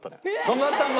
たまたま？